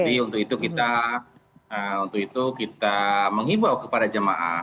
jadi untuk itu kita menghibur kepada jemaah